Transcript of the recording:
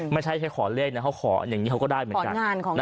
ไม่ใช่แค่ขอเลขนะเขาขออย่างนี้เขาก็ได้เหมือนกัน